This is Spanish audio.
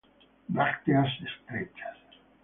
Brácteas estrechas.